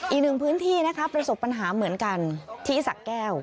อีกหนึ่งพื้นที่นะคะประสบปัญหาเหมือนกันที่สะแก้ว